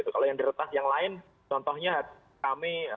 kalau yang diretas yang lain contohnya kami